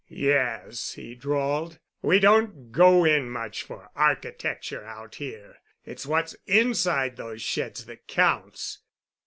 "Yes," he drawled, "we don't go in much for architecture out here. It's what's inside those sheds that counts.